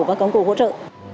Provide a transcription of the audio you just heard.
và công cụ hỗ trợ